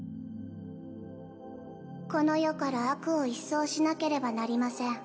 この世から悪を一掃しなければなりません。